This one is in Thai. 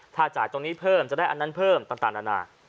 ถ้าจ่ายตรงนี้เพิ่มจะได้อันนั้นเพิ่มต่างนานา